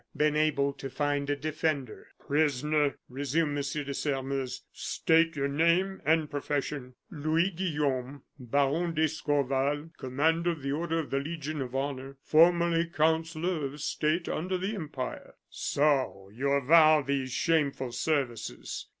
been able to find a defender. "Prisoner," resumed M. de Sairmeuse, "state your name and profession." "Louis Guillaume, Baron d'Escorval, Commander of the Order of the Legion of Honor, formerly Councillor of State under the Empire." "So you avow these shameful services?